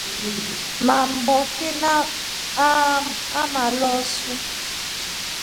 Mamboki aamaloosu.